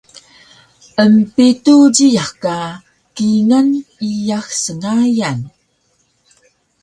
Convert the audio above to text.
Empitu jiyax ka kingal iyax sngayan